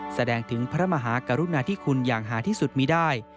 แสดงถึงพระมหากรุณาธิคุณอย่างหาที่สุดมีได้